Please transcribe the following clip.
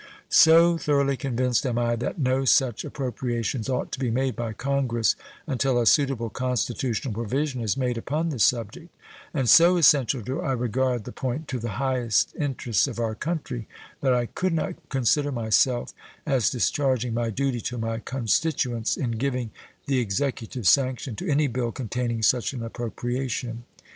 So thoroughly convinced am I that no such appropriations ought to be made by Congress until a suitable constitutional provision is made upon the subject, and so essential do I regard the point to the highest interests of our country, that I could not consider myself as discharging my duty to my constituents in giving the Executive sanction to any bill containing such an appropriation.